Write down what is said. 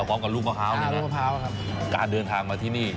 ครับผม